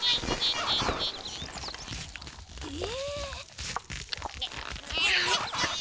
え。